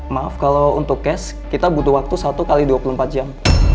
maaf kalau untuk cash kita butuh waktu satu x dua puluh empat jam